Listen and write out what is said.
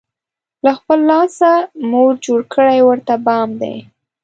له خپل لاسه، مور جوړ کړی ورته بام دی